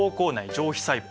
上皮細胞。